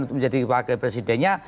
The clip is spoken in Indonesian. untuk menjadi wakil presidennya